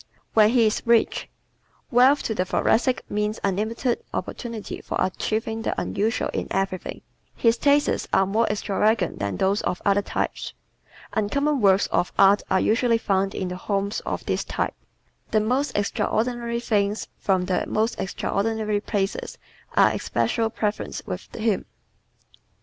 When He is Rich ¶ Wealth to the Thoracic means unlimited opportunity for achieving the unusual in everything. His tastes are more extravagant than those of other types. Uncommon works of art are usually found in the homes of this type. The most extraordinary things from the most extraordinary places are especial preferences with him.